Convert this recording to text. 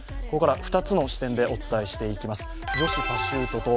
ここから２つの視点でお伝えしていきます。